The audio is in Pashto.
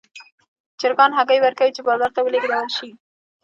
چرګان هګۍ ورکوي چې بازار ته ولېږدول شي.